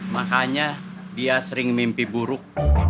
makanya dia sering mimpi buruk